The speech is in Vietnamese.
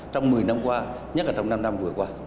trong một mươi năm qua nhất là trong năm năm vừa qua